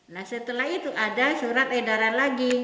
nah setelah itu ada surat edaran lagi